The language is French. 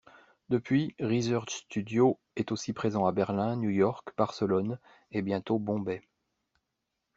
Depuis, Research Studios est aussi présent à Berlin, New York, Barcelone et bientôt Bombay.